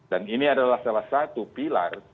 dan ini adalah salah satu pilar